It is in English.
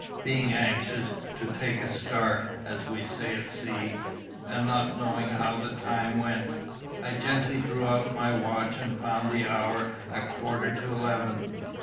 Being anxious, to "take a star," as we say at sea, and not knowing how the time went, I gently drew out my watch and found the hour a quarter to eleven.